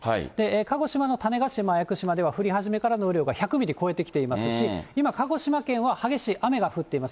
鹿児島の種子島・屋久島では降り始めからの雨量が１００ミリ超えてきてますし、今、鹿児島県は激しい雨が降っています。